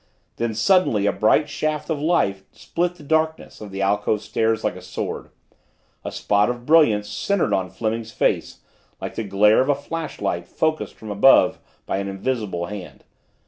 Then suddenly a bright shaft of light split the darkness of the alcove stairs like a sword, a spot of brilliance centered on Fleming's face like the glare of a flashlight focused from above by an invisible hand.